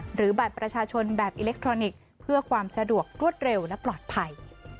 หรือบัตรประชาชนแบบอิเล็กทรอนิกส์เพื่อความสะดวกรวดเร็วและปลอดภัย